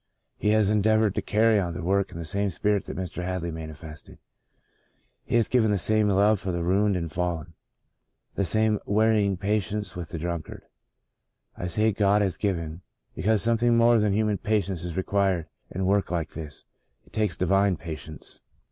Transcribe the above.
He has endeavoured to carry on the work in the same spirit that Mr. Had ley manifested. He has been given the same love for the ruined and fallen, the same un wearying patience with the drunkard. I say God has given, because something more than human patience is required in work like this. It takes divine patience.